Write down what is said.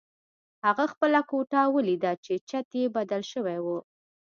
هغه خپله کوټه ولیده چې چت یې بدل شوی و